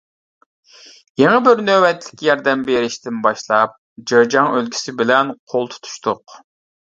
يېڭى بىر نۆۋەتلىك ياردەم بېرىشتىن باشلاپ جېجياڭ ئۆلكىسى بىلەن‹‹ قول تۇتۇشتۇق››.